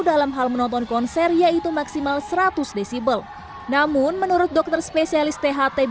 dalam hal menonton konser yaitu maksimal seratus decibel namun menurut dokter spesialis tht